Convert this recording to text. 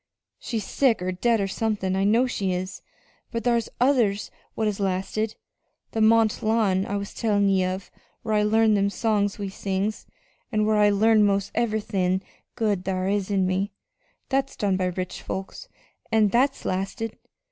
She's sick or dead, or somethin' I know she is. But thar's others what has lasted. That Mont Lawn I was tellin' ye of, whar I learned them songs we sings, an' whar I learned 'most ev'rythin' good thar is in me that's done by rich folks, an' that's lasted!